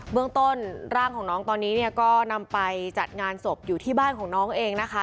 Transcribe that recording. เมืองต้นร่างของน้องตอนนี้เนี่ยก็นำไปจัดงานศพอยู่ที่บ้านของน้องเองนะคะ